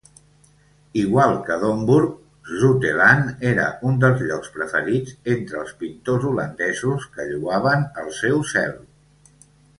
Igual que Domburg, Zoutelande era un dels llocs preferits entre els pintors holandesos, que lloaven el seu cel.